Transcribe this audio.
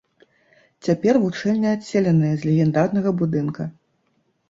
Цяпер вучэльня адселеная з легендарнага будынка.